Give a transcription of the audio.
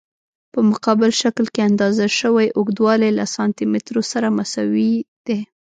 په مقابل شکل کې اندازه شوی اوږدوالی له سانتي مترو سره مساوي دی.